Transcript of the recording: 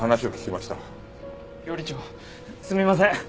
料理長すみません！